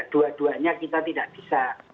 dua duanya kita tidak bisa